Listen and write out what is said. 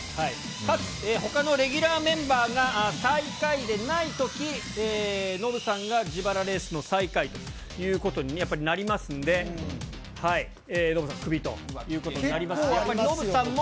かつ、ほかのレギュラーメンバーが最下位でないとき、ノブさんが自腹レースの最下位ということに、やっぱりなりますんで、ノブさん、クビということになります。